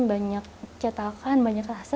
banyak cetakan banyak rasa